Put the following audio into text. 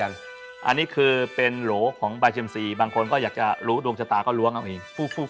อันนี้เป็นหลอกของใบเต็มซีโดรมชะตาก็ร้วงเอง